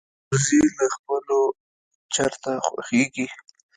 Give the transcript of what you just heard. وزې له خپلو چرته خوښيږي